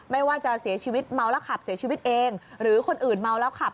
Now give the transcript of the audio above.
ไม่ว่าจะเสียชีวิตเมาแล้วขับเสียชีวิตเองหรือคนอื่นเมาแล้วขับ